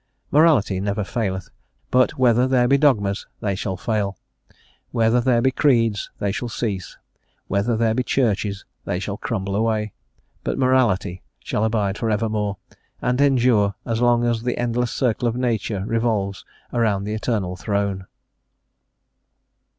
Morality never faileth; but, whether there be dogmas, they shall fail; whether there be creeds, they shall cease; whether there be churches, they shall crumble away; but morality shall abide for evermore and endure as long as the endless circle of Nature revolves around the Eternal Throne.